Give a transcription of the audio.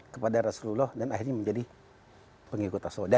kepada rasulullah dan akhirnya menjadi pengikut tasoda